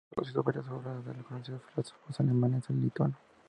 Ha traducido varias obras de conocidos filósofos alemanes al lituano.